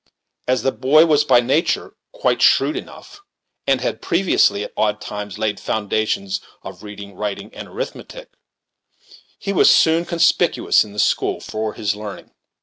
As the boy was by nature quite shrewd enough, and had previously, at odd times, laid the foundations of reading, writing, and arithmetic, he was soon conspicuous in the school for his learning.